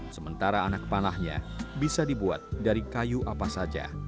sementara anak panahnya bisa dibuat dari kayu apa saja